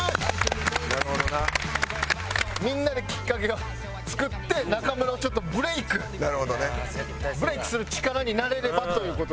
みんなできっかけを作って中村をちょっとブレイクブレイクする力になれればという事ですので。